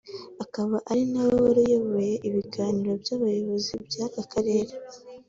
Akaba ari na we wari uyoboye ibiganiro by’abayobozi b’aka karere